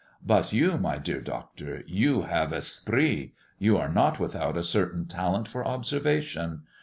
But you, my dear doctor, you have esprit, you are not without a certain talent for observation.